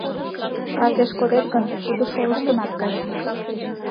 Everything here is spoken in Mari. Касеш кодет гын, тудо шолыштынат кая.